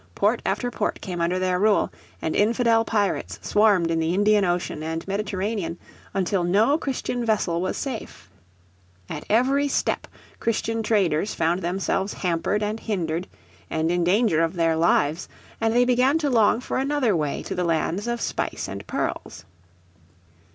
Port after port came under their rule, and infidel pirates swarmed in the Indian Ocean and Mediterranean until no Christian vessel was safe. At every step Christian traders found themselves hampered and hindered, and in danger of their lives, and they began to long for another way to the lands of spice and pearls.